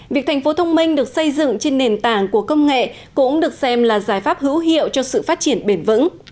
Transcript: việc thành phố thông minh được xây dựng trên nền tảng của công nghệ cũng được xem là giải pháp hữu hiệu cho sự phát triển bền vững